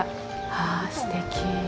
ああ、すてき。